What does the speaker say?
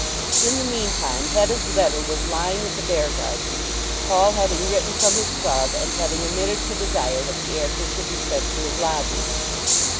In the mean time Hetta's letter was lying at the Beargarden, Paul having written from his club and having omitted to desire that the answer should be sent to his lodgings.